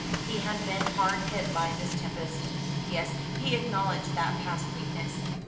He had been hard hit by Miss Tempest. Yes, he acknowledged that past weakness.